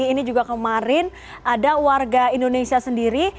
ini juga kemarin ada warga indonesia sendiri